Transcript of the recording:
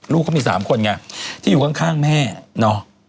ลูกเขามี๓คนไงที่อยู่ข้างแม่เนาะ